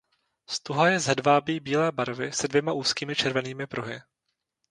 Stuha je z hedvábí bílé barvy se dvěma úzkými červenými pruhy.